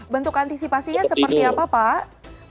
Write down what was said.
bentuk antisipasinya seperti apa pak